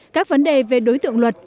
các vấn đề về đối tượng luật